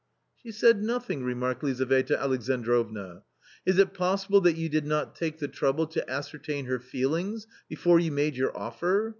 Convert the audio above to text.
<.*~*" She said nothing," remarked Lizaveta Alexandrovna. "*■" Is it possible that you did not take the trouble to ascer tain her feelings before you made your offer?